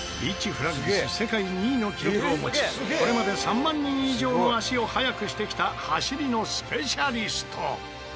フラッグス世界２位の記録を持ちこれまで３万人以上の足を速くしてきた走りのスペシャリスト。